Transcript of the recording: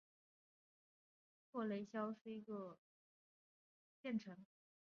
霍雷肖是一个位于美国阿肯色州塞维尔县的城市。